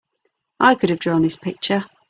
I could have drawn this picture!